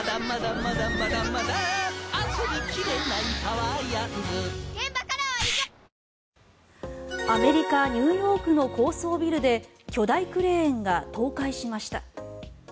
わかるぞアメリカ・ニューヨークの高層ビルで巨大クレーンが倒壊しました。